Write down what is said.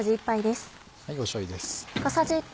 しょうゆです。